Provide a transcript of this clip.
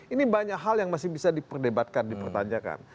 ini banyak hal yang masih bisa diperdebatkan dipertanyakan